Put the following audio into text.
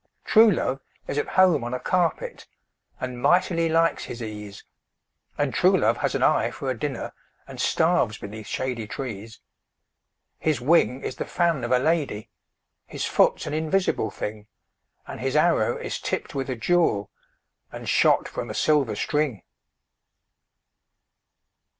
True love is at home on a carpet, And mightily likes his ease And true love has an eye for a dinner, And starves beneath shady trees. His wing is the fan of a lady, His foot's an invisible thing, And his arrow is tipped with a jewel, And shot from a silver string.